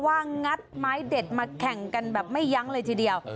งัดไม้เด็ดมาแข่งกันแบบไม่ยั้งเลยทีเดียว